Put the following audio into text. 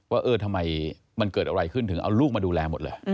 เออทำไมมันเกิดอะไรขึ้นถึงเอาลูกมาดูแลหมดเลย